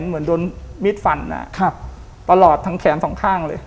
เหมือนโดนมิดฝั่นนะครับตลอดทั้งแขนสองข้างเลย